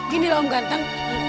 gini loh om ganteng